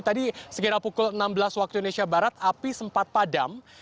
tadi sekitar pukul enam belas waktu indonesia barat api sempat padam